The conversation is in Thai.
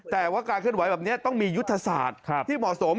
แต่ว่าการเคลื่อนไหวแบบนี้ต้องมียุทธศาสตร์ที่เหมาะสม